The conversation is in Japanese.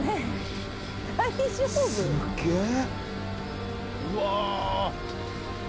すっげえ。